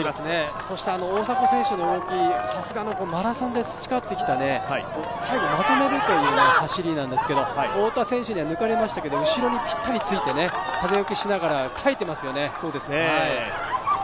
そして大迫選手の動き、さすがマラソンで培ってきた、最後にまとめるという走りなんですけど、太田選手には抜かれましたけれども、後ろにぴったりついて風よけしながら耐えていますよね。